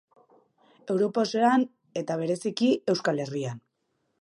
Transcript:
Europa osoan eta bereziki Euskal Herrian.